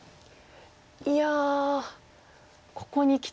いやここにきて。